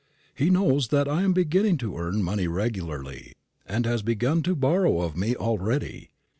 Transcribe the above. He knows that I am beginning to earn money regularly, and has begun to borrow of me already.